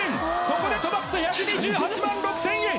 ここで止まって１２８万６０００円！